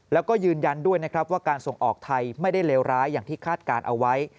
แล้วก็ยืนยันด้วยนะครับว่าการส่งออกไทยไม่ได้เลวร้ายอย่างที่คาดการณ์เอาไว้